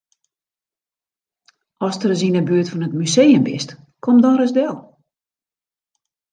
Ast ris yn 'e buert fan it museum bist, kom dan ris del.